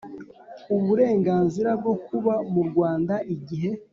uburenganzira bwo kuba mu Rwanda igihe